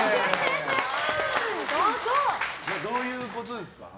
どういうことですか？